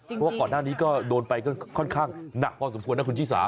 เพราะว่าก่อนหน้านี้ก็โดนไปก็ค่อนข้างหนักพอสมควรนะคุณชิสา